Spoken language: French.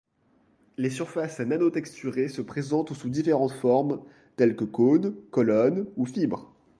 Les surfaces nanotexturées se présentent sous différentes formes, telles que cônes, colonnes ou fibres.